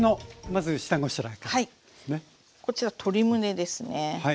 こちら鶏むねですね。